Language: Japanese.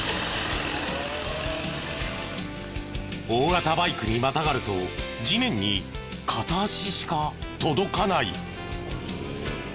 大型バイクにまたがると地面に片足しか届かない。